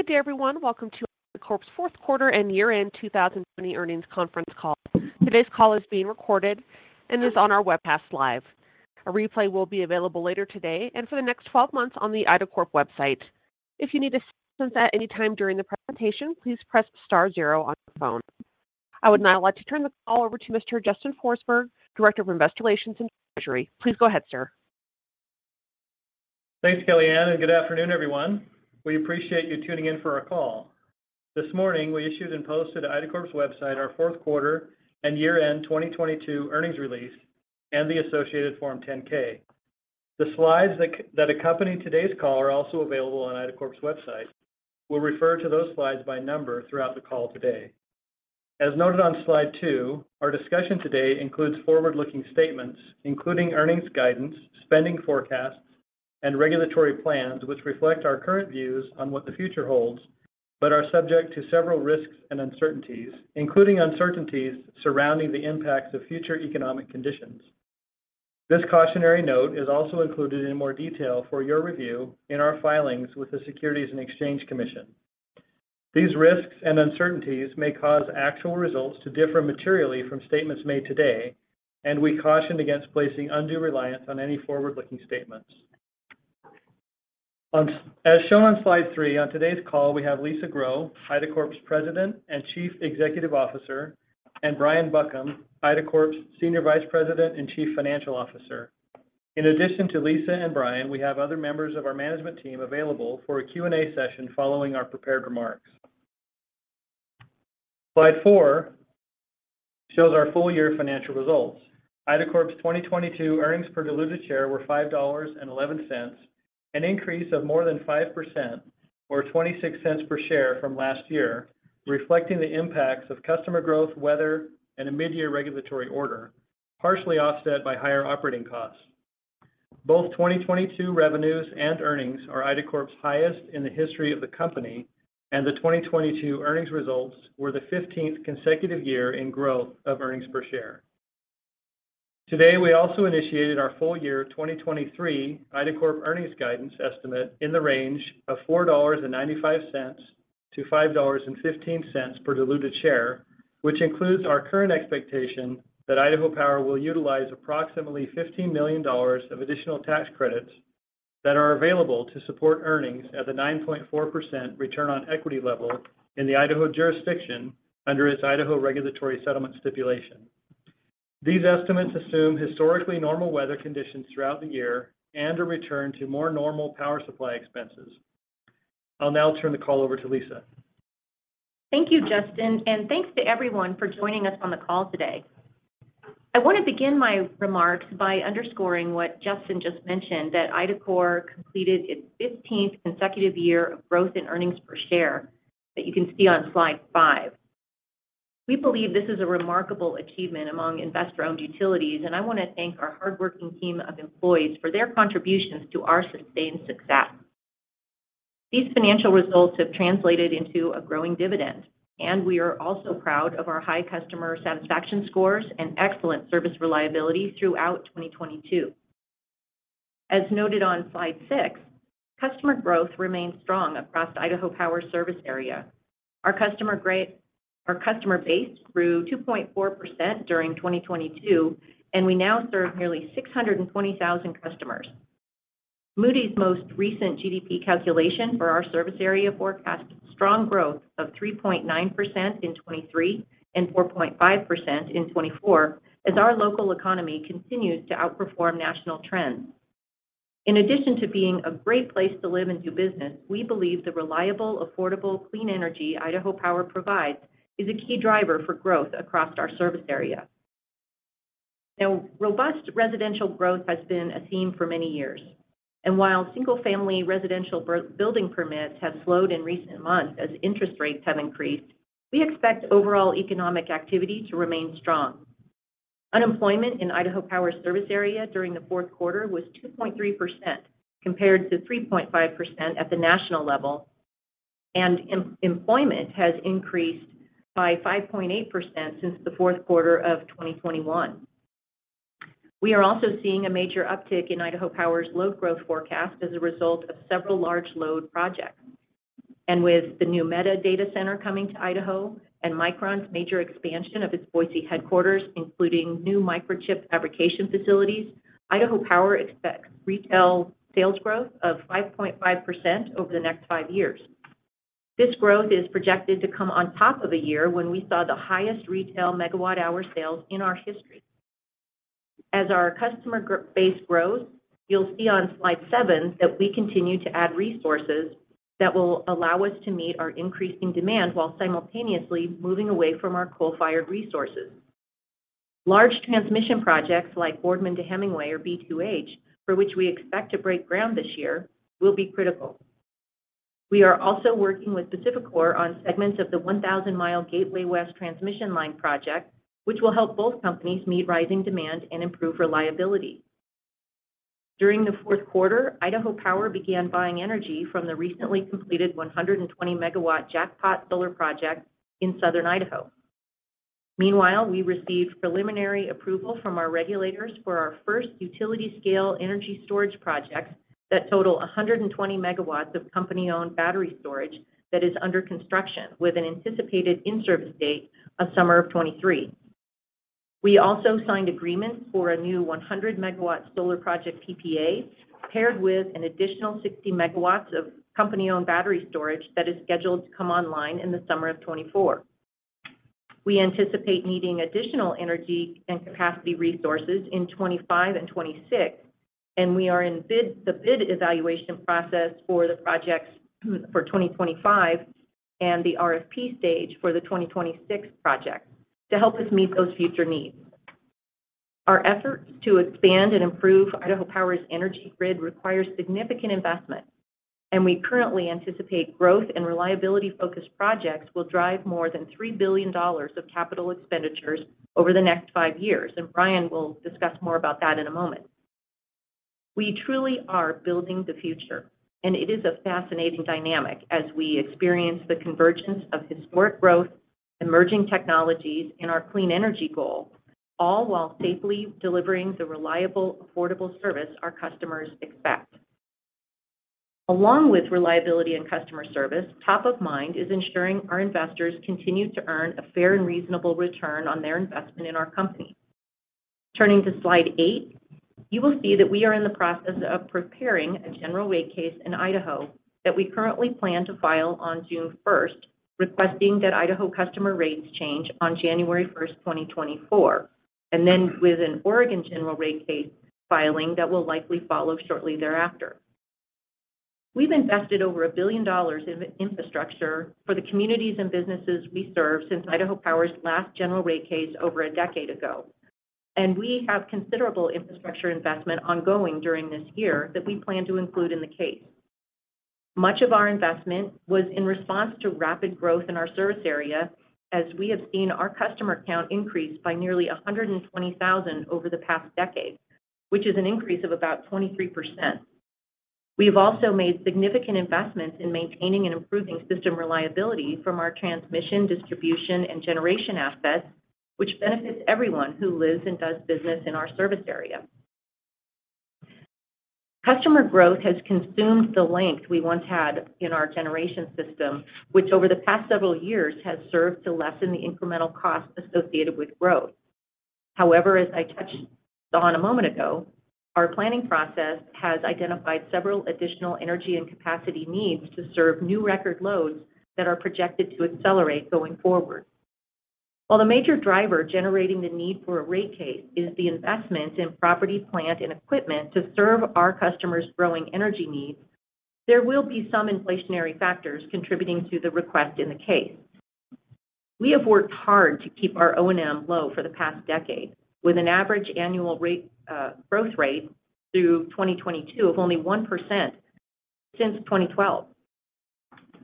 Good day everyone. Welcome to IDACORP's Fourth Quarter and Year-End 2020 Earnings Conference Call. Today's call is being recorded and is on our webcast live. A replay will be available later today and for the next 12 months on the IDACORP website. If you need assistance at any time during the presentation, please press star zero on your phone. I would now like to turn the call over to Mr. Justin Forsberg, Director of Investor Relations and Treasury. Please go ahead, sir. Thanks, Kellyanne. Good afternoon, everyone. We appreciate you tuning in for our call. This morning, we issued and posted IDACORP's website our fourth quarter and year-end 2022 earnings release and the associated Form 10-K. The slides that accompany today's call are also available on IDACORP's website. We'll refer to those slides by number throughout the call today. As noted on slide two, our discussion today includes forward-looking statements, including earnings guidance, spending forecasts, and regulatory plans, which reflect our current views on what the future holds, but are subject to several risks and uncertainties, including uncertainties surrounding the impacts of future economic conditions. This cautionary note is also included in more detail for your review in our filings with the Securities and Exchange Commission. These risks and uncertainties may cause actual results to differ materially from statements made today, and we caution against placing undue reliance on any forward-looking statements. As shown on slide three, on today's call, we have Lisa Grow, IDACORP's President and Chief Executive Officer, and Brian Buckham, IDACORP's Senior Vice President and Chief Financial Officer. In addition to Lisa and Brian, we have other members of our management team available for a Q&A session following our prepared remarks. Slide four shows our full year financial results. IDACORP's 2022 earnings per diluted share were $5.11, an increase of more than 5% or $0.26 per share from last year, reflecting the impacts of customer growth, weather, and a mid-year regulatory order, partially offset by higher operating costs. Both 2022 revenues and earnings are IDACORP's highest in the history of the company, and the 2022 earnings results were the 15th consecutive year in growth of earnings per share. Today, we also initiated our full year 2023 IDACORP earnings guidance estimate in the range of $4.95-$5.15 per diluted share, which includes our current expectation that Idaho Power will utilize approximately $15 million of additional tax credits that are available to support earnings at the 9.4% return on equity level in the Idaho jurisdiction under its Idaho Regulatory Settlement Stipulation. These estimates assume historically normal weather conditions throughout the year and a return to more normal power supply expenses. I'll now turn the call over to Lisa. Thank you, Justin. Thanks to everyone for joining us on the call today. I want to begin my remarks by underscoring what Justin just mentioned, that IDACORP completed its 15th consecutive year of growth in earnings per share that you can see on slide five. We believe this is a remarkable achievement among investor-owned utilities, and I want to thank our hardworking team of employees for their contributions to our sustained success. These financial results have translated into a growing dividend, and we are also proud of our high customer satisfaction scores and excellent service reliability throughout 2022. As noted on slide 6, customer growth remains strong across the Idaho Power service area. Our customer base grew 2.4% during 2022, and we now serve nearly 620,000 customers. Moody's most recent GDP calculation for our service area forecasts strong growth of 3.9% in 2023 and 4.5% in 2024 as our local economy continues to outperform national trends. In addition to being a great place to live and do business, we believe the reliable, affordable, clean energy Idaho Power provides is a key driver for growth across our service area. Robust residential growth has been a theme for many years, and while single-family residential building permits have slowed in recent months as interest rates have increased, we expect overall economic activity to remain strong. Unemployment in Idaho Power service area during the fourth quarter was 2.3% compared to 3.5% at the national level, and employment has increased by 5.8% since the fourth quarter of 2021. We are also seeing a major uptick in Idaho Power's load growth forecast as a result of several large load projects. With the new Meta data center coming to Idaho and Micron's major expansion of its Boise headquarters, including new microchip fabrication facilities, Idaho Power expects retail sales growth of 5.5% over the next five years. This growth is projected to come on top of a year when we saw the highest retail megawatt-hour sales in our history. As our customer base grows, you'll see on slide seven that we continue to add resources that will allow us to meet our increasing demand while simultaneously moving away from our coal-fired resources. Large transmission projects like Boardman to Hemingway, or B2H, for which we expect to break ground this year, will be critical. We are also working with PacifiCorp on segments of the 1,000-mile Gateway West Transmission Line project, which will help both companies meet rising demand and improve reliability. During the fourth quarter, Idaho Power began buying energy from the recently completed 120MW Jackpot Solar project in Southern Idaho. Meanwhile, we received preliminary approval from our regulators for our first utility-scale energy storage projects that total 120MW of company-owned battery storage that is under construction, with an anticipated in-service date of summer of 2023. We also signed agreements for a new 100MW solar project PPA, paired with an additional 60MW of company-owned battery storage that is scheduled to come online in the summer of 2024. We anticipate needing additional energy and capacity resources in 2025 and 2026. We are in the bid evaluation process for the projects for 2025 and the RFP stage for the 2026 project to help us meet those future needs. Our efforts to expand and improve Idaho Power's energy grid requires significant investment. We currently anticipate growth and reliability-focused projects will drive more than $3 billion of capital expenditures over the next five years. Brian will discuss more about that in a moment. We truly are building the future. It is a fascinating dynamic as we experience the convergence of historic growth, emerging technologies, and our clean energy goal, all while safely delivering the reliable, affordable service our customers expect. Along with reliability and customer service, top of mind is ensuring our investors continue to earn a fair and reasonable return on their investment in our company. Turning to slide eight, you will see that we are in the process of preparing a general rate case in Idaho that we currently plan to file on June 1st, requesting that Idaho customer rates change on January 1st, 2024, and then with an Oregon general rate case filing that will likely follow shortly thereafter. We've invested over $1 billion in infrastructure for the communities and businesses we serve since Idaho Power's last general rate case over a decade ago, and we have considerable infrastructure investment ongoing during this year that we plan to include in the case. Much of our investment was in response to rapid growth in our service area, as we have seen our customer count increase by nearly 120,000 over the past decade, which is an increase of about 23%. We have also made significant investments in maintaining and improving system reliability from our transmission, distribution, and generation assets, which benefits everyone who lives and does business in our service area. Customer growth has consumed the length we once had in our generation system, which over the past several years has served to lessen the incremental costs associated with growth. However, as I touched on a moment ago, our planning process has identified several additional energy and capacity needs to serve new record loads that are projected to accelerate going forward. While the major driver generating the need for a rate case is the investment in property, plant, and equipment to serve our customers' growing energy needs, there will be some inflationary factors contributing to the request in the case. We have worked hard to keep our O&M low for the past decade, with an average annual rate growth rate through 2022 of only 1% since 2012,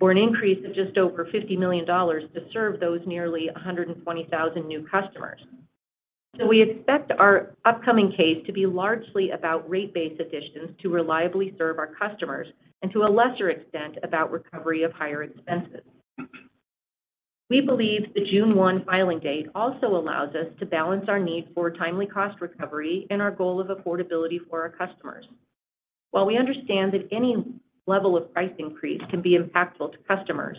or an increase of just over $50 million to serve those nearly 120,000 new customers. We expect our upcoming case to be largely about rate-based additions to reliably serve our customers and to a lesser extent about recovery of higher expenses. We believe the June 1 filing date also allows us to balance our need for timely cost recovery and our goal of affordability for our customers. While we understand that any level of price increase can be impactful to customers,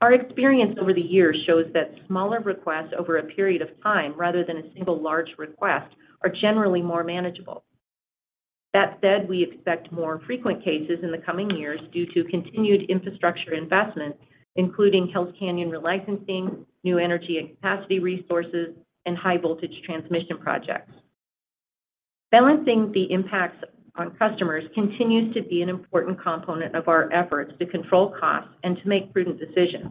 our experience over the years shows that smaller requests over a period of time rather than a single large request are generally more manageable. That said, we expect more frequent cases in the coming years due to continued infrastructure investment, including Hells Canyon relicensing, new energy and capacity resources, and high-voltage transmission projects. Balancing the impacts on customers continues to be an important component of our efforts to control costs and to make prudent decisions.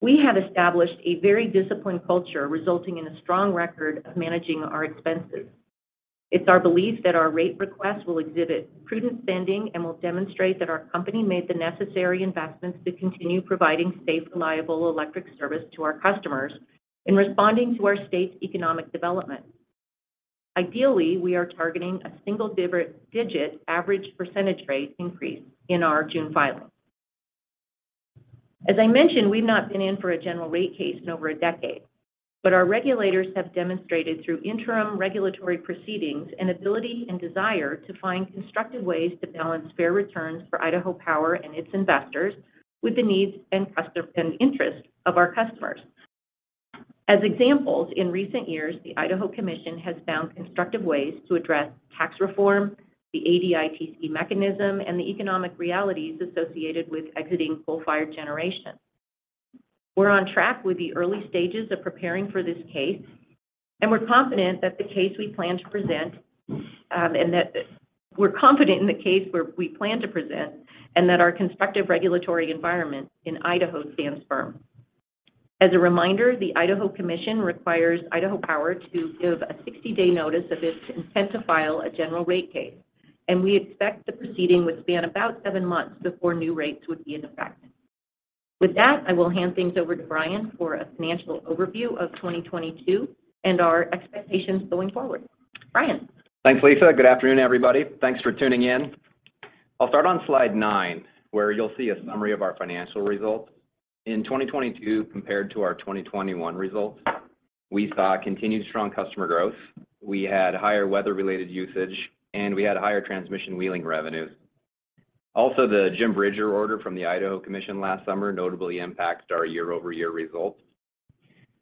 We have established a very disciplined culture resulting in a strong record of managing our expenses. It's our belief that our rate request will exhibit prudent spending and will demonstrate that our company made the necessary investments to continue providing safe, reliable electric service to our customers in responding to our state's economic development. Ideally, we are targeting a single digit average percentage rate increase in our June filing. As I mentioned, we've not been in for a general rate case in over a decade, but our regulators have demonstrated through interim regulatory proceedings an ability and desire to find constructive ways to balance fair returns for Idaho Power and its investors with the needs and interests of our customers. As examples, in recent years, the Idaho Commission has found constructive ways to address tax reform, the ADITC mechanism, and the economic realities associated with exiting coal-fired generation. We're on track with the early stages of preparing for this case. We're confident in the case we plan to present and that our constructive regulatory environment in Idaho stands firm. As a reminder, the Idaho Commission requires Idaho Power to give a 60-day notice of its intent to file a general rate case. We expect the proceeding would span about seven months before new rates would be in effect. With that, I will hand things over to Brian for a financial overview of 2022 and our expectations going forward. Brian. Thanks, Lisa. Good afternoon, everybody. Thanks for tuning in. I'll start on slide nine, where you'll see a summary of our financial results. In 2022 compared to our 2021 results, we saw continued strong customer growth. We had higher weather-related usage, and we had higher transmission wheeling revenues. Also, the Jim Bridger order from the Idaho Commission last summer notably impacted our year-over-year results.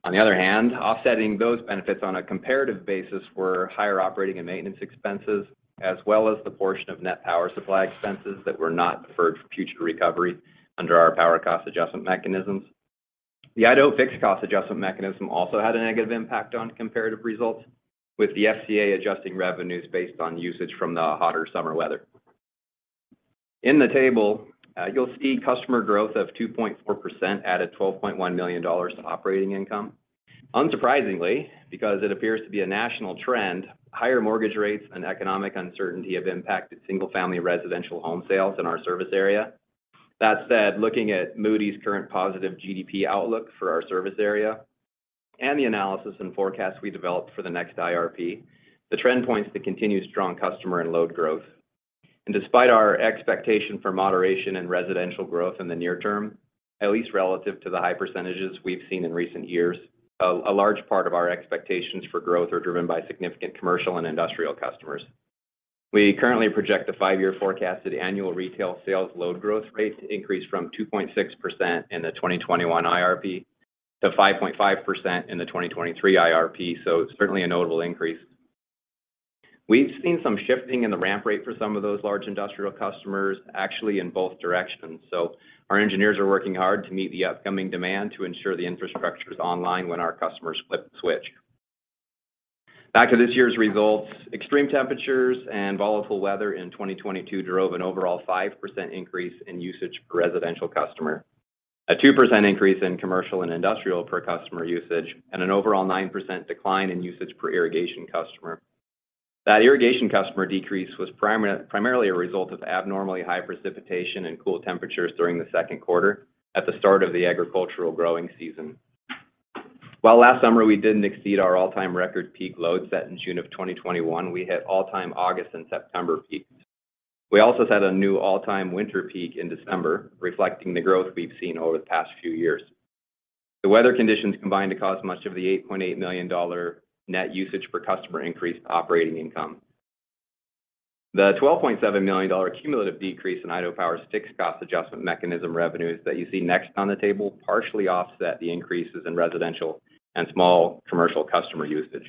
On the other hand, offsetting those benefits on a comparative basis were higher operating and maintenance expenses, as well as the portion of net power supply expenses that were not deferred for future recovery under our Power Cost Adjustment mechanisms. The Idaho Fixed Cost Adjustment mechanism also had a negative impact on comparative results, with the FCA adjusting revenues based on usage from the hotter summer weather. In the table, you'll see customer growth of 2.4% at a $12.1 million operating income. Unsurprisingly, because it appears to be a national trend, higher mortgage rates and economic uncertainty have impacted single-family residential home sales in our service area. That said, looking at Moody's current positive GDP outlook for our service area and the analysis and forecasts we developed for the next IRP, the trend points to continued strong customer and load growth. Despite our expectation for moderation in residential growth in the near term, at least relative to the high percentages we've seen in recent years, a large part of our expectations for growth are driven by significant commercial and industrial customers. We currently project a five-year forecasted annual retail sales load growth rate to increase from 2.6% in the 2021 IRP to 5.5% in the 2023 IRP. It's certainly a notable increase. We've seen some shifting in the ramp rate for some of those large industrial customers actually in both directions. Our engineers are working hard to meet the upcoming demand to ensure the infrastructure is online when our customers flip the switch. Back to this year's results, extreme temperatures and volatile weather in 2022 drove an overall 5% increase in usage per residential customer, a 2% increase in commercial and industrial per customer usage, and an overall 9% decline in usage per irrigation customer. That irrigation customer decrease was primarily a result of abnormally high precipitation and cool temperatures during the second quarter at the start of the agricultural growing season. Last summer we didn't exceed our all-time record peak load set in June of 2021, we hit all-time August and September peaks. We also set a new all-time winter peak in December, reflecting the growth we've seen over the past few years. The weather conditions combined to cause much of the $8.8 million net usage per customer increase to operating income. The $12.7 million cumulative decrease in Idaho Power's Fixed Cost Adjustment mechanism revenues that you see next on the table partially offset the increases in residential and small commercial customer usage.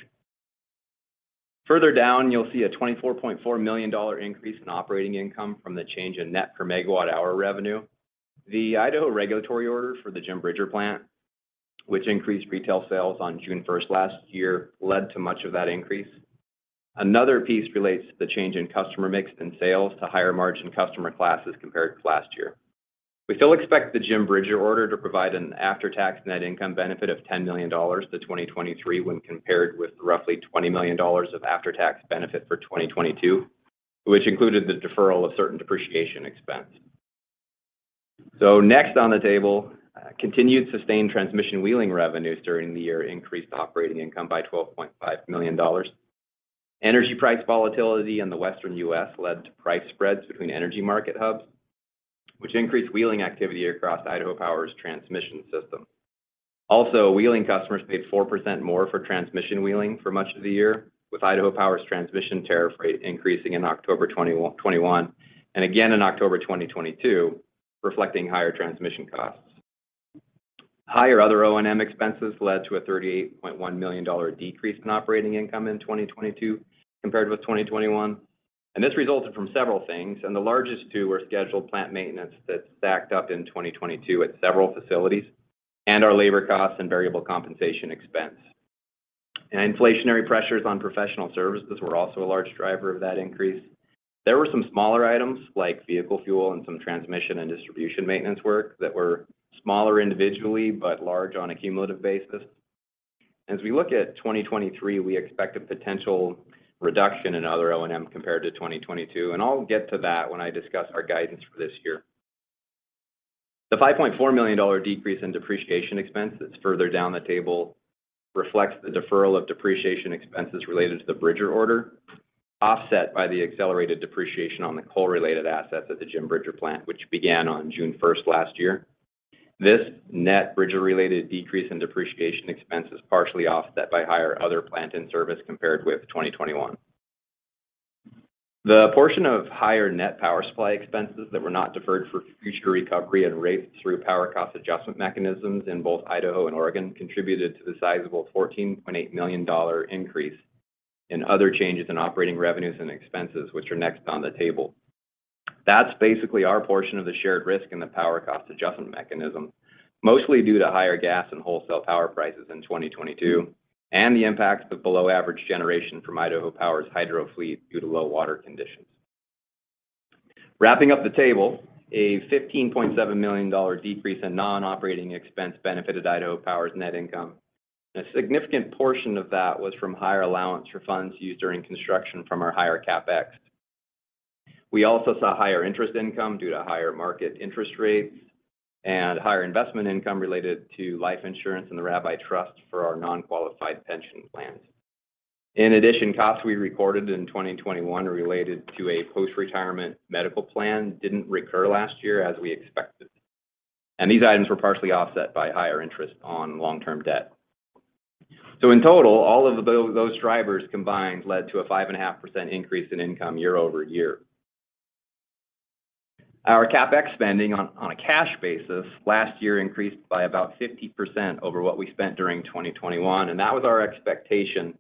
Further down, you'll see a $24.4 million increase in operating income from the change in net per megawatt-hour revenue. The Idaho regulatory order for the Jim Bridger plant, which increased retail sales on June 1st last year, led to much of that increase. Another piece relates to the change in customer mix and sales to higher-margin customer classes compared to last year. We still expect the Jim Bridger order to provide an after-tax net income benefit of $10 million to 2023 when compared with roughly $20 million of after-tax benefit for 2022, which included the deferral of certain depreciation expense. Next on the table, continued sustained transmission wheeling revenues during the year increased operating income by $12.5 million. Energy price volatility in the western U.S. led to price spreads between energy market hubs, which increased wheeling activity across Idaho Power's transmission system. Also, wheeling customers paid 4% more for transmission wheeling for much of the year, with Idaho Power's transmission tariff rate increasing in October 2021 and again in October 2022, reflecting higher transmission costs. Higher other O&M expenses led to a $38.1 million decrease in operating income in 2022 compared with 2021, and this resulted from several things, and the largest two were scheduled plant maintenance that stacked up in 2022 at several facilities and our labor costs and variable compensation expense. Inflationary pressures on professional services were also a large driver of that increase. There were some smaller items like vehicle fuel and some transmission and distribution maintenance work that were smaller individually, but large on a cumulative basis. As we look at 2023, we expect a potential reduction in other O&M compared to 2022. I'll get to that when I discuss our guidance for this year. The $5.4 million decrease in depreciation expense that's further down the table reflects the deferral of depreciation expenses related to the Bridger order, offset by the accelerated depreciation on the coal-related assets at the Jim Bridger plant, which began on June 1 last year. This net Bridger-related decrease in depreciation expense is partially offset by higher other plant in service compared with 2021. The portion of higher net power supply expenses that were not deferred for future recovery and raked through Power Cost Adjustment mechanisms in both Idaho and Oregon contributed to the sizable $14.8 million increase in other changes in operating revenues and expenses, which are next on the table. That's basically our portion of the shared risk in the Power Cost Adjustment mechanism, mostly due to higher gas and wholesale power prices in 2022 and the impacts of below-average generation from Idaho Power's hydro fleet due to low water conditions. Wrapping up the table, a $15.7 million decrease in non-operating expense benefited Idaho Power's net income. A significant portion of that was from higher Allowance for Funds Used During Construction from our higher CapEx. We also saw higher interest income due to higher market interest rates and higher investment income related to life insurance and the Rabbi Trust for our non-qualified pension plans. Costs we recorded in 2021 related to a post-retirement medical plan didn't recur last year as we expected. These items were partially offset by higher interest on long-term debt. In total, all of those drivers combined led to a 5.5% increase in income year-over-year. Our CapEx spending on a cash basis last year increased by about 50% over what we spent during 2021. That was our expectation.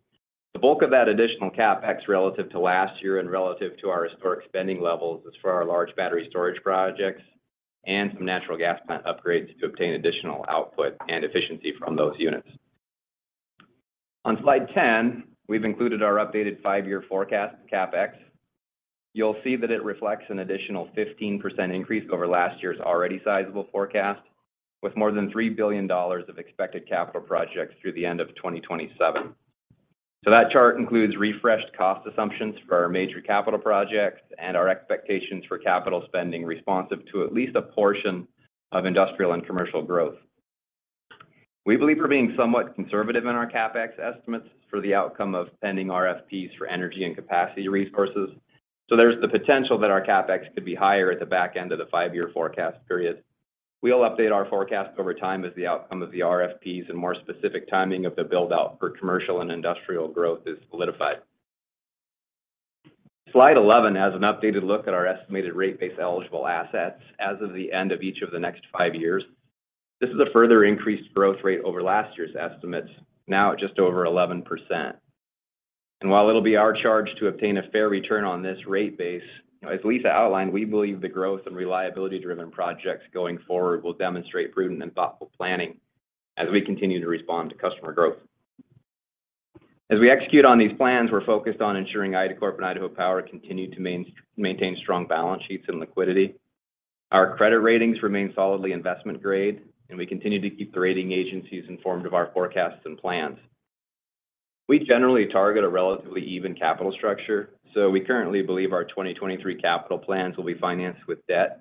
The bulk of that additional CapEx relative to last year and relative to our historic spending levels is for our large battery storage projects and some natural gas plant upgrades to obtain additional output and efficiency from those units. On slide 10, we've included our updated five-year forecast CapEx. It reflects an additional 15% increase over last year's already sizable forecast, with more than $3 billion of expected capital projects through the end of 2027. That chart includes refreshed cost assumptions for our major capital projects and our expectations for capital spending responsive to at least a portion of industrial and commercial growth. We believe we're being somewhat conservative in our CapEx estimates for the outcome of pending RFPs for energy and capacity resources. There's the potential that our CapEx could be higher at the back end of the five-year forecast period. We'll update our forecast over time as the outcome of the RFPs and more specific timing of the build-out for commercial and industrial growth is solidified. Slide 11 has an updated look at our estimated rate base eligible assets as of the end of each of the next five years. This is a further increased growth rate over last year's estimates, now at just over 11%. While it'll be our charge to obtain a fair return on this rate base, as Lisa outlined, we believe the growth and reliability-driven projects going forward will demonstrate prudent and thoughtful planning as we continue to respond to customer growth. As we execute on these plans, we're focused on ensuring Idacorp and Idaho Power continue to maintain strong balance sheets and liquidity. Our credit ratings remain solidly investment grade, and we continue to keep the rating agencies informed of our forecasts and plans. We generally target a relatively even capital structure, so we currently believe our 2023 capital plans will be financed with debt.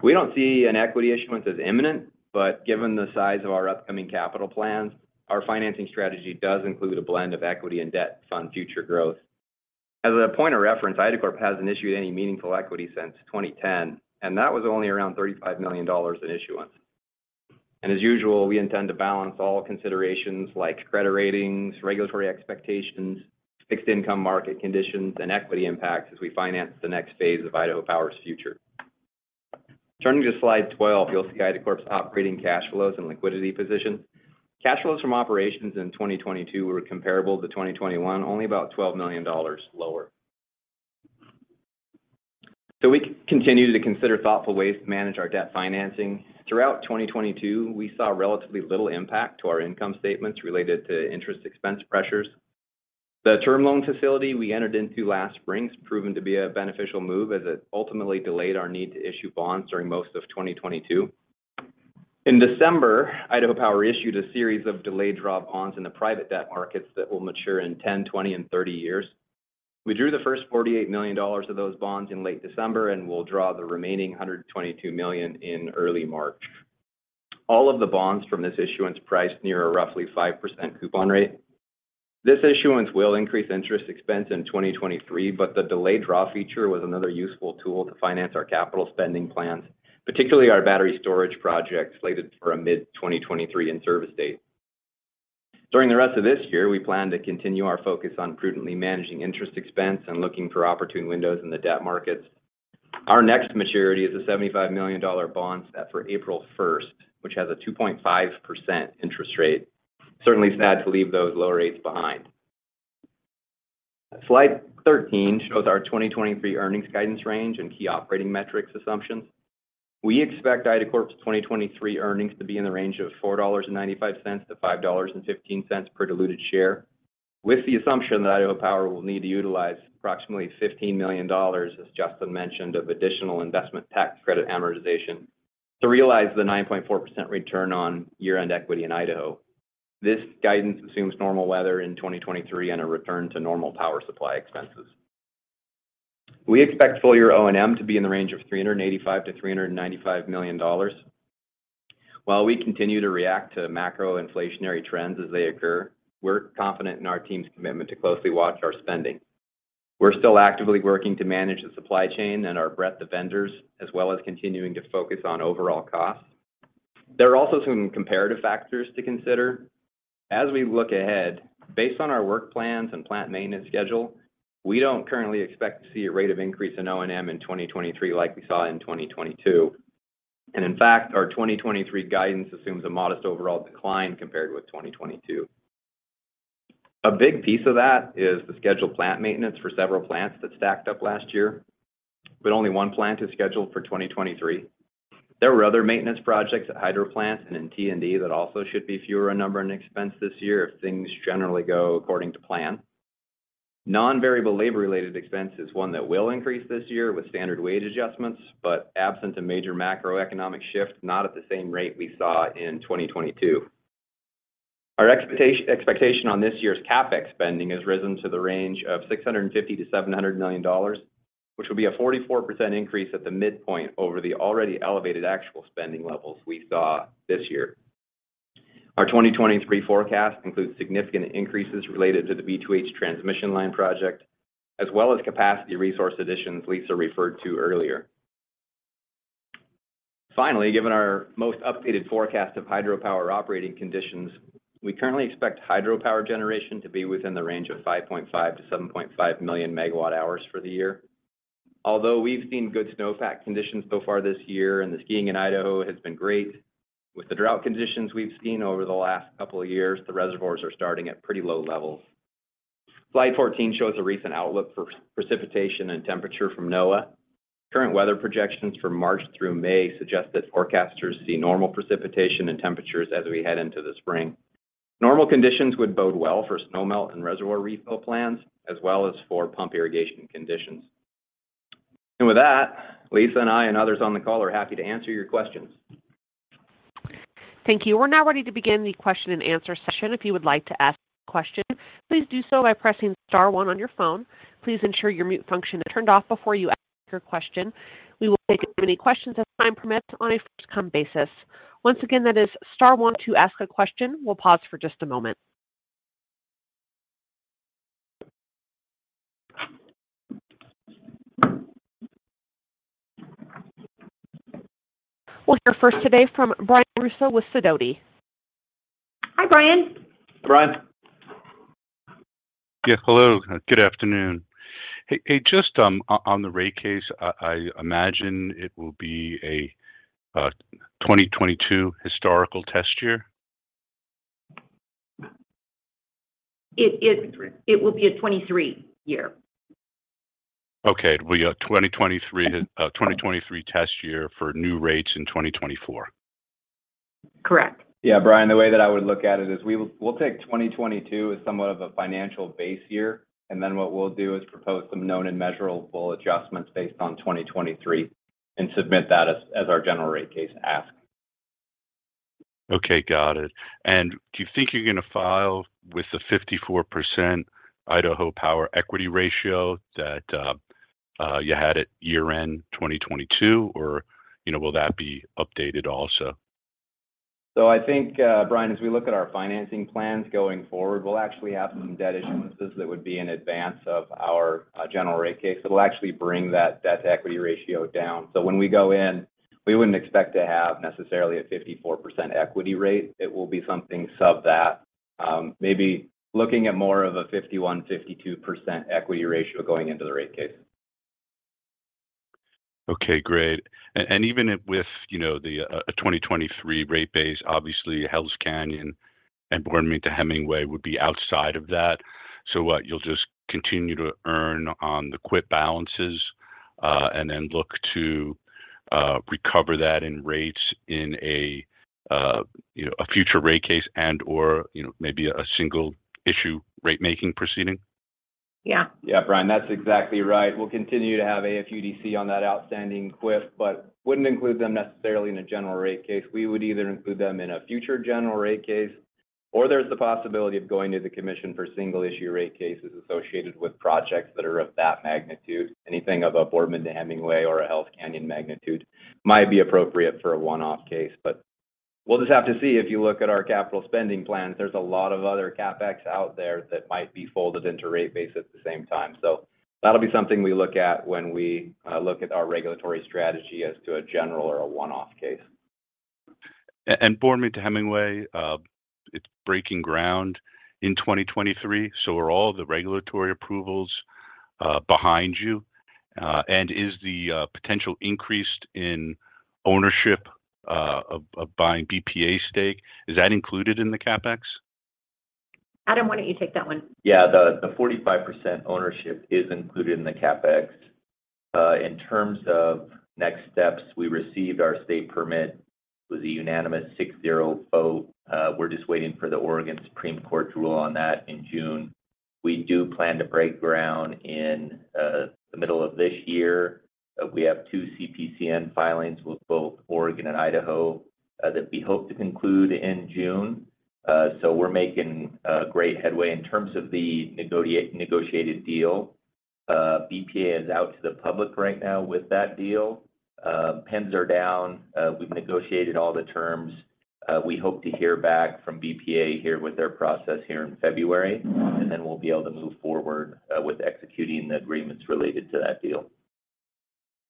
We don't see an equity issuance as imminent, but given the size of our upcoming capital plans, our financing strategy does include a blend of equity and debt to fund future growth. As a point of reference, IDACORP hasn't issued any meaningful equity since 2010. That was only around $35 million in issuance. As usual, we intend to balance all considerations like credit ratings, regulatory expectations, fixed income market conditions, and equity impacts as we finance the next phase of Idaho Power's future. Turning to slide 12, you'll see IDACORP's operating cash flows and liquidity positions. Cash flows from operations in 2022 were comparable to 2021, only about $12 million lower. We continue to consider thoughtful ways to manage our debt financing. Throughout 2022, we saw relatively little impact to our income statements related to interest expense pressures. The term loan facility we entered into last spring has proven to be a beneficial move as it ultimately delayed our need to issue bonds during most of 2022. In December, Idaho Power issued a series of delayed draw bonds in the private debt markets that will mature in 10, 20, and 30 years. We drew the first $48 million of those bonds in late December and will draw the remaining $122 million in early March. All of the bonds from this issuance priced near a roughly 5% coupon rate. This issuance will increase interest expense in 2023, but the delayed draw feature was another useful tool to finance our capital spending plans, particularly our battery storage project slated for a mid-2023 in-service date. During the rest of this year, we plan to continue our focus on prudently managing interest expense and looking for opportune windows in the debt markets. Our next maturity is a $75 million bond set for April 1st, which has a 2.5% interest rate. Certainly sad to leave those lower rates behind. Slide 13 shows our 2023 earnings guidance range and key operating metrics assumptions. We expect IDACORP's 2023 earnings to be in the range of $4.95-$5.15 per diluted share, with the assumption that Idaho Power will need to utilize approximately $15 million, as Justin mentioned, of additional Investment Tax Credit amortization to realize the 9.4% return on year-end equity in Idaho. This guidance assumes normal weather in 2023 and a return to normal power supply expenses. We expect full-year O&M to be in the range of $385 million-$395 million. While we continue to react to macro inflationary trends as they occur, we're confident in our team's commitment to closely watch our spending. We're still actively working to manage the supply chain and our breadth of vendors, as well as continuing to focus on overall costs. There are also some comparative factors to consider. As we look ahead, based on our work plans and plant maintenance schedule, we don't currently expect to see a rate of increase in O&M in 2023 like we saw in 2022. In fact, our 2023 guidance assumes a modest overall decline compared with 2022. A big piece of that is the scheduled plant maintenance for several plants that stacked up last year, but only one plant is scheduled for 2023. There were other maintenance projects at hydro plants and in T&D that also should be fewer in number and expense this year if things generally go according to plan. Non-variable labor-related expense is one that will increase this year with standard wage adjustments, but absent a major macroeconomic shift, not at the same rate we saw in 2022. Our expectation on this year's CapEx spending has risen to the range of $650 million-$700 million, which will be a 44% increase at the midpoint over the already elevated actual spending levels we saw this year. Our 2023 forecast includes significant increases related to the B2H transmission line project, as well as capacity resource additions Lisa referred to earlier. Finally, given our most updated forecast of hydropower operating conditions, we currently expect hydropower generation to be within the range of 5.5 million-7.5 million MWh for the year. Although we've seen good snowpack conditions so far this year and the skiing in Idaho has been great, with the drought conditions we've seen over the last couple of years, the reservoirs are starting at pretty low levels. Slide 14 shows a recent outlook for precipitation and temperature from NOAA. Current weather projections from March through May suggest that forecasters see normal precipitation and temperatures as we head into the spring. Normal conditions would bode well for snowmelt and reservoir refill plans, as well as for pump irrigation conditions. With that, Lisa and I and others on the call are happy to answer your questions. Thank you. We're now ready to begin the question and answer session. If you would like to ask a question, please do so by pressing star one on your phone. Please ensure your mute function is turned off before you ask your question. We will take as many questions as time permits on a first-come basis. Once again, that is star one to ask a question. We'll pause for just a moment. We'll hear first today from Brian Russo with Sidoti. Hi, Brian. Brian. Yes. Hello. Good afternoon. Hey, just on the rate case, I imagine it will be a 2022 historical test year. It, it- 2023. It will be a 2023 year. Okay. We got 2023 test year for new rates in 2024. Correct. Yeah, Brian, the way that I would look at it is we'll take 2022 as somewhat of a financial base year, and then what we'll do is propose some known and measurable adjustments based on 2023 and submit that as our general rate case ask. Okay, got it. Do you think you're gonna file with the 54% Idaho Power equity ratio that, you had at year-end 2022, or, you know, will that be updated also? I think, Brian, as we look at our financing plans going forward, we'll actually have some debt issuances that would be in advance of our general rate case. It'll actually bring that debt equity ratio down. When we go in, we wouldn't expect to have necessarily a 54% equity rate. It will be something sub that, maybe looking at more of a 51%, 52% equity ratio going into the rate case. Okay, great. And even if with, you know, the, a 2023 rate base, obviously Hells Canyon and Boardman to Hemingway would be outside of that. What? You'll just continue to earn on the quick balances, and then look to recover that in rates in a, you know, a future rate case and, or, you know, maybe a single issue rate making proceeding? Yeah. Brian, that's exactly right. We'll continue to have AFUDC on that outstanding CWIP, wouldn't include them necessarily in a general rate case. We would either include them in a future general rate case, there's the possibility of going to the commission for single issue rate cases associated with projects that are of that magnitude. Anything of a Boardman to Hemingway or a Hells Canyon magnitude might be appropriate for a one-off case. We'll just have to see. If you look at our capital spending plans, there's a lot of other CapEx out there that might be folded into rate base at the same time. That'll be something we look at when we look at our regulatory strategy as to a general or a one-off case. Boardman to Hemingway, it's breaking ground in 2023. Are all the regulatory approvals behind you? Is the potential increase in ownership of buying BPA stake included in the CapEx? Adam, why don't you take that one? Yeah. The 45% ownership is included in the CapEx. In terms of next steps, we received our state permit. It was a unanimous 6-0 vote. We're just waiting for the Oregon Supreme Court to rule on that in June. We do plan to break ground in the middle of this year. We have two CPCN filings with both Oregon and Idaho that we hope to conclude in June. We're making great headway. In terms of the negotiated deal, BPA is out to the public right now with that deal. Pens are down. We've negotiated all the terms. We hope to hear back from BPA here with their process here in February, then we'll be able to move forward with executing the agreements related to that deal.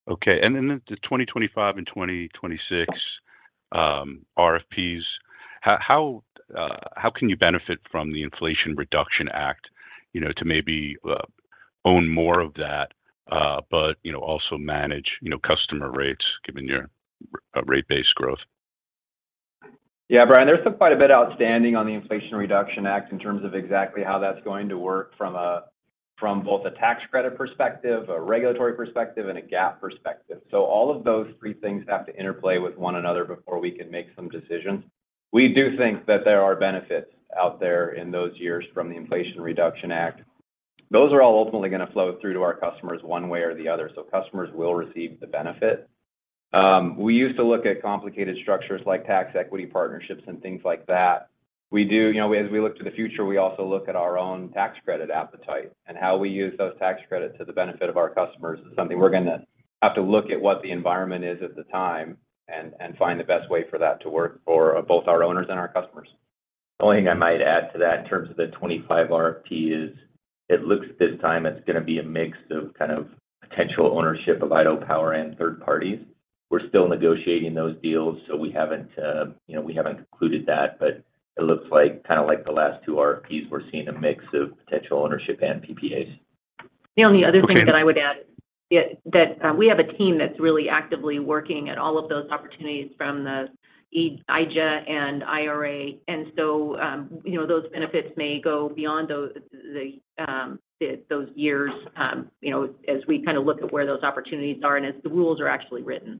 Okay. The 2025 and 2026 RFPs, how can you benefit from the Inflation Reduction Act to maybe own more of that, but also manage customer rates given your rate base growth? Yeah, Brian, there's quite a bit outstanding on the Inflation Reduction Act in terms of exactly how that's going to work from both a tax credit perspective, a regulatory perspective, and a GAAP perspective. All of those three things have to interplay with one another before we can make some decisions. We do think that there are benefits out there in those years from the Inflation Reduction Act. Those are all ultimately gonna flow through to our customers one way or the other, so customers will receive the benefit. We used to look at complicated structures like tax equity partnerships and things like that. We do, you know, as we look to the future, we also look at our own tax credit appetite and how we use those tax credits to the benefit of our customers is something we're gonna have to look at what the environment is at the time and find the best way for that to work for both our owners and our customers. The only thing I might add to that in terms of the 25 RFP is it looks this time it's gonna be a mix of kind of potential ownership of Idaho Power and third parties. We're still negotiating those deals, so we haven't, you know, we haven't concluded that. It looks like, kinda like the last two RFPs, we're seeing a mix of potential ownership and PPAs. The only other thing that I would add, yeah, that we have a team that's really actively working at all of those opportunities from the IRA. you know, those benefits may go beyond those years, you know, as we kinda look at where those opportunities are and as the rules are actually written.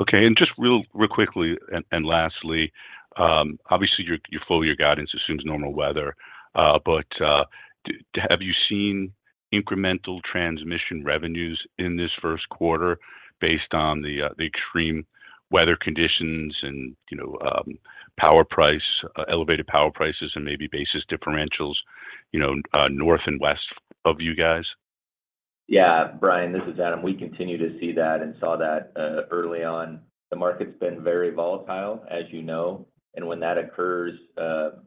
Okay. Just real quickly and lastly, obviously your guidance assumes normal weather. Have you seen incremental transmission revenues in this first quarter based on the extreme weather conditions and, you know, power price, elevated power prices and maybe basis differentials, you know, north and west of you guys? Yeah. Brian, this is Adam. We continue to see that and saw that early on. The market's been very volatile, as you know, and when that occurs,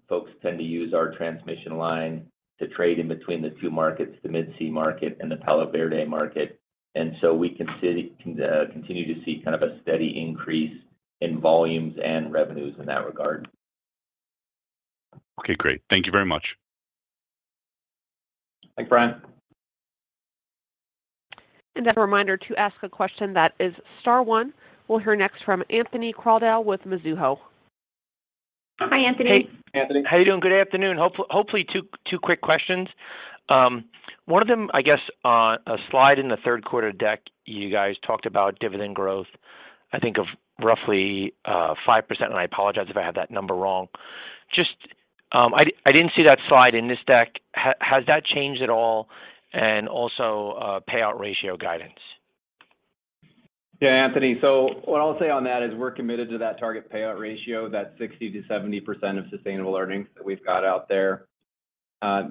folks tend to use our transmission line to trade in between the two markets, the Mid-C market and the Palo Verde market. We continue to see kind of a steady increase in volumes and revenues in that regard. Okay, great. Thank you very much. Thanks, Brian. As a reminder to ask a question that is star one. We'll hear next from Anthony Crowdell with Mizuho. Hi, Anthony. Hey, Anthony. How you doing? Good afternoon. Hopefully two quick questions. One of them, I guess, on a slide in the third quarter deck, you guys talked about dividend growth, I think of roughly 5%, and I apologize if I have that number wrong. Just, I didn't see that slide in this deck. Has that changed at all? Also, payout ratio guidance. Yeah, Anthony. What I'll say on that is we're committed to that target payout ratio, that 60%-70% of sustainable earnings that we've got out there.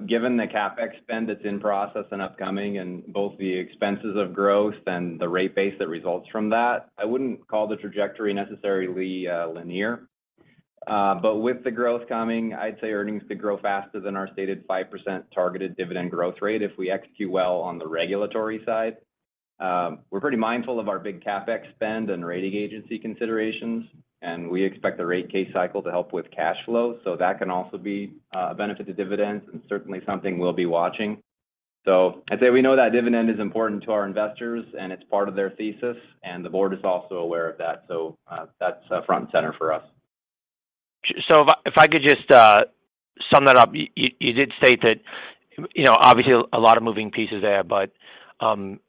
Given the CapEx spend that's in process and upcoming and both the expenses of growth and the rate base that results from that, I wouldn't call the trajectory necessarily linear. With the growth coming, I'd say earnings could grow faster than our stated 5% targeted dividend growth rate if we execute well on the regulatory side. We're pretty mindful of our big CapEx spend and rating agency considerations, and we expect the rate case cycle to help with cash flow. That can also be a benefit to dividends and certainly something we'll be watching. I'd say we know that dividend is important to our investors, and it's part of their thesis, and the board is also aware of that. That's front and center for us. If I could just sum that up. You did state that, you know, obviously a lot of moving pieces there, but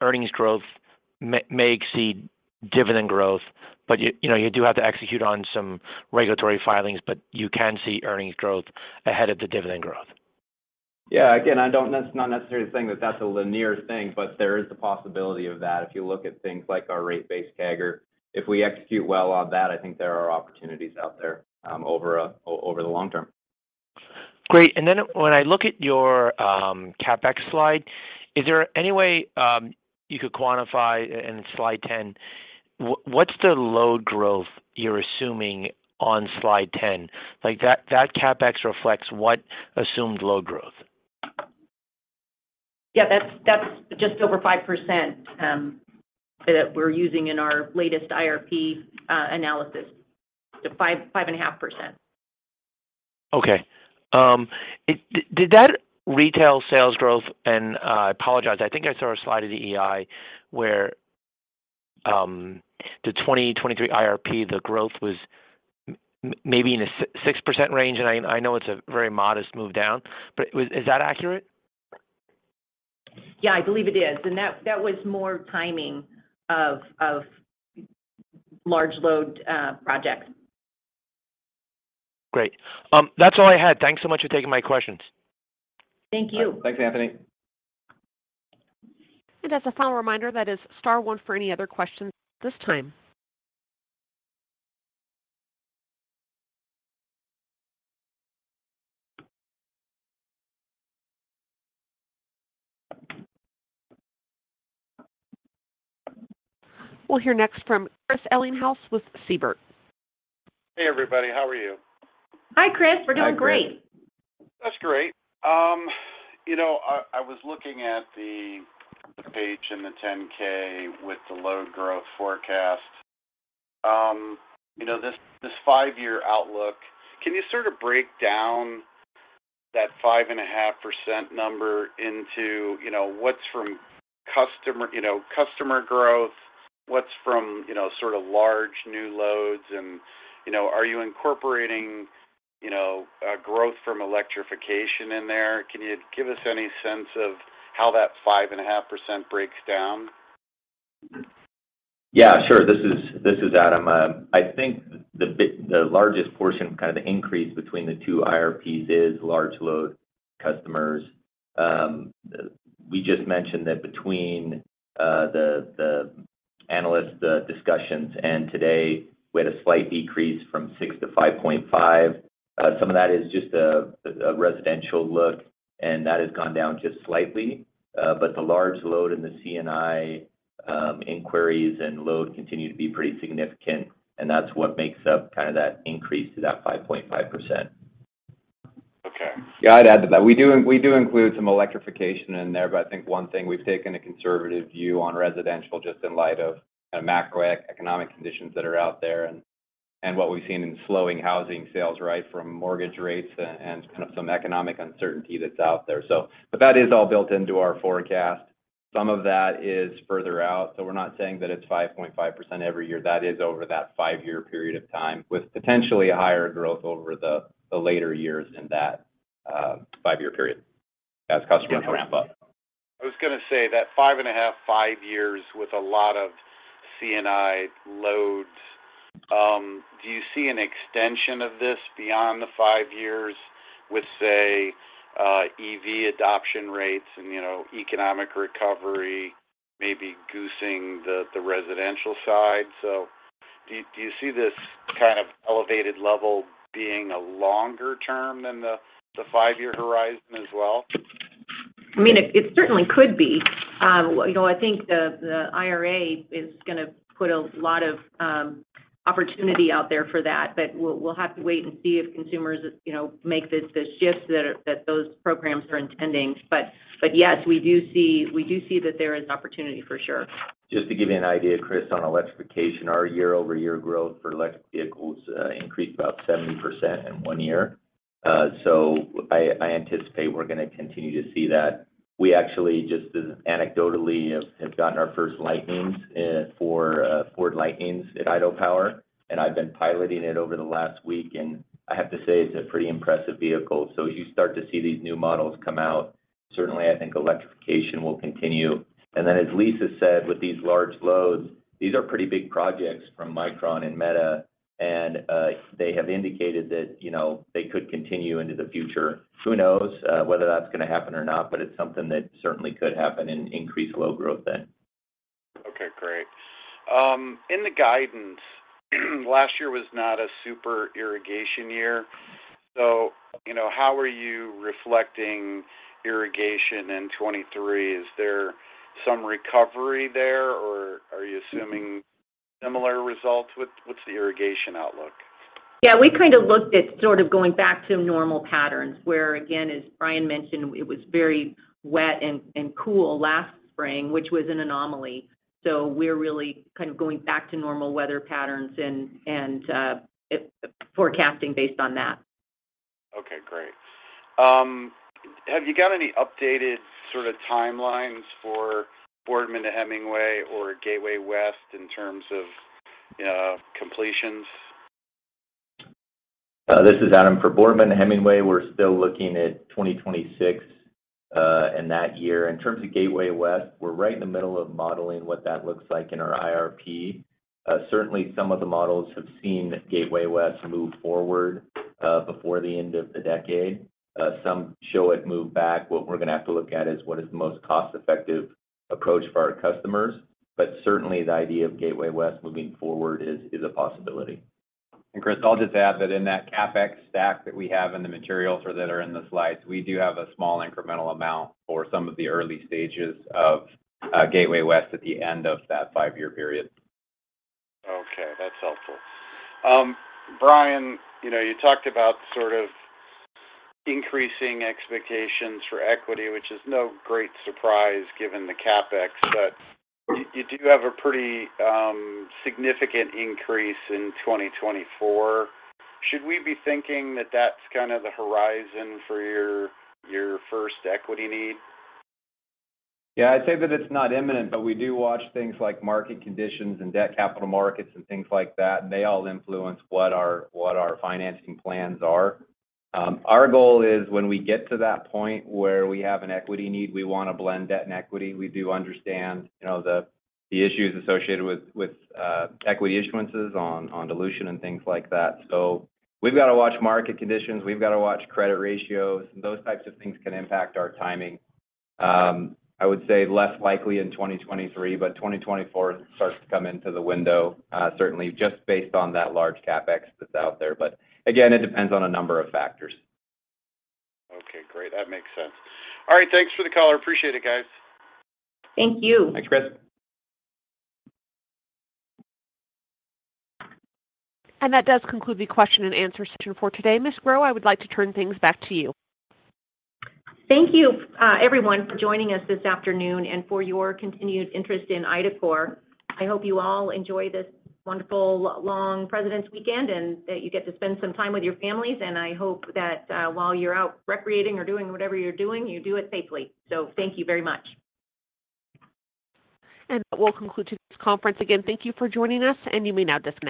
earnings growth may exceed dividend growth. You know, you do have to execute on some regulatory filings, but you can see earnings growth ahead of the dividend growth. Yeah. Again, I don't not necessarily saying that that's a linear thing, but there is the possibility of that if you look at things like our rate-based CAGR. If we execute well on that, I think there are opportunities out there, over the long term. Great. When I look at your CapEx slide, is there any way you could quantify in slide 10, what's the load growth you're assuming on slide 10? Like, that CapEx reflects what assumed load growth? Yeah, that's just over 5%, that we're using in our latest IRP analysis. The 5.5%. Okay. Did that retail sales growth, and I apologize, I think I saw a slide of the EEI where, the 2023 IRP, the growth was maybe in a 6% range, and I know it's a very modest move down, but Is that accurate? Yeah, I believe it is. That was more timing of large load projects. Great. That's all I had. Thanks so much for taking my questions. Thank you. Thanks, Anthony. As a final reminder, that is star one for any other questions at this time. We'll hear next from Chris Ellinghaus with Siebert. Hey, everybody. How are you? Hi, Chris. We're doing great. Hi, Chris. That's great. You know, I was looking at the page in the Form 10-K with the load growth forecast. You know, this five-year outlook, can you sort of break down that 5.5% number into, you know, what's from customer, you know, customer growth? What's from, you know, sort of large new loads? You know, are you incorporating, you know, growth from electrification in there? Can you give us any sense of how that 5.5% breaks down? Yeah, sure. This is Adam. I think the largest portion, kind of the increase between the two IRPs is large load customers. We just mentioned that between the, Analyst, the discussions. Today we had a slight decrease from 6-5.5. Some of that is just a residential look, and that has gone down just slightly. The large load in the CNI inquiries and load continue to be pretty significant, and that's what makes up kinda that increase to that 5.5%. Okay. Yeah, I'd add to that. We do include some electrification in there, I think one thing we've taken a conservative view on residential just in light of the macroeconomic conditions that are out there and what we've seen in slowing housing sales, right, from mortgage rates and kind of some economic uncertainty that's out there. That is all built into our forecast. Some of that is further out, so we're not saying that it's 5.5% every year. That is over that five-year period of time, with potentially higher growth over the later years in that 5-year period as customers ramp up. I was gonna say that five and a half, five years with a lot of CNI loads, do you see an extension of this beyond the five years with, say, EV adoption rates and, you know, economic recovery maybe goosing the residential side? Do you see this kind of elevated level being a longer term than the five-year horizon as well? I mean, it certainly could be. you know, I think the IRA is gonna put a lot of opportunity out there for that. We'll have to wait and see if consumers, you know, make the shifts that those programs are intending. Yes, we do see that there is an opportunity for sure. Just to give you an idea, Chris, on electrification, our year-over-year growth for electric vehicles increased about 70% in one year. I anticipate we're gonna continue to see that. We actually just as anecdotally have gotten our first Lightnings for Ford Lightnings at Idaho Power, and I've been piloting it over the last week, and I have to say, it's a pretty impressive vehicle. As you start to see these new models come out, certainly I think electrification will continue. Then as Lisa said, with these large loads, these are pretty big projects from Micron and Meta, and they have indicated that, you know, they could continue into the future. Who knows whether that's gonna happen or not, but it's something that certainly could happen and increase load growth then. Okay, great. In the guidance, last year was not a super irrigation year. You know, how are you reflecting irrigation in 2023? Is there some recovery there, or are you assuming similar results? What's the irrigation outlook? Yeah, we kind of looked at sort of going back to normal patterns where again, as Brian mentioned, it was very wet and cool last spring, which was an anomaly. We're really kind of going back to normal weather patterns and forecasting based on that. Okay, great. Have you got any updated sorta timelines for Boardman to Hemingway or Gateway West in terms of completions? This is Adam. For Boardman to Hemingway, we're still looking at 2026 in that year. In terms of Gateway West, we're right in the middle of modeling what that looks like in our IRP. Certainly some of the models have seen Gateway West move forward before the end of the decade. Some show it move back. What we're gonna have to look at is what is the most cost-effective approach for our customers. Certainly the idea of Gateway West moving forward is a possibility. Chris, I'll just add that in that CapEx stack that we have in the materials or that are in the slides, we do have a small incremental amount for some of the early stages of Gateway West at the end of that five-year period. Okay, that's helpful. Brian, you know, you talked about sort of increasing expectations for equity, which is no great surprise given the CapEx. You do have a pretty, significant increase in 2024. Should we be thinking that that's kind of the horizon for your first equity need? Yeah. I'd say that it's not imminent, but we do watch things like market conditions and debt capital markets and things like that, and they all influence what our, what our financing plans are. Our goal is when we get to that point where we have an equity need, we wanna blend debt and equity. We do understand, you know, the issues associated with equity issuances on dilution and things like that. We've gotta watch market conditions. We've gotta watch credit ratios, and those types of things can impact our timing. I would say less likely in 2023, but 2024 starts to come into the window, certainly just based on that large CapEx that's out there. Again, it depends on a number of factors. Okay, great. That makes sense. All right. Thanks for the color. Appreciate it, guys. Thank you. Thanks, Chris. That does conclude the question and answer session for today. Ms. Grow, I would like to turn things back to you. Thank you, everyone for joining us this afternoon and for your continued interest in IDACORP. I hope you all enjoy this wonderful long President's Weekend, and that you get to spend some time with your families. I hope that, while you're out recreating or doing whatever you're doing, you do it safely. Thank you very much. That will conclude today's conference. Again, thank you for joining us, and you may now disconnect.